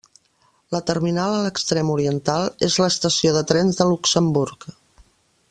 La terminal a l'extrem oriental és l'estació de trens de Luxemburg.